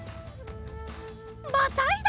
またいだ！